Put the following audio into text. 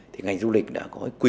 thì ngành du lịch đã có quyền